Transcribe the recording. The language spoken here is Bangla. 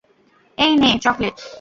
এই নে চলকেট।